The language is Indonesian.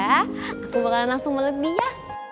aku bakalan langsung melek dia